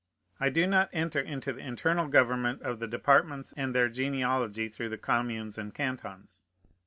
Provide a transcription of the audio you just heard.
I do not enter into the internal government of the departments, and their genealogy through the communes and cantons.